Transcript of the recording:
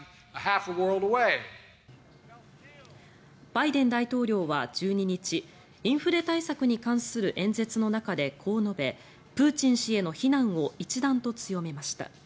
バイデン大統領は１２日インフレ対策に関する演説の中でこう述べ、プーチン氏への非難を一段と強めました。